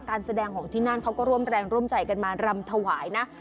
การแสดงของที่นั่นเขาก็ร่วมแรงร่วมใจกันมารำถวายนะ